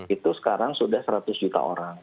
itu sekarang sudah seratus juta orang